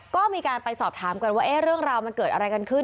ก็มีการไปสอบถามกันว่าเรื่องราวมันเกิดอะไรกันขึ้น